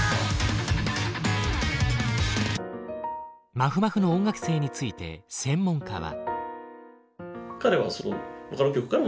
まふまふの音楽性について専門家は。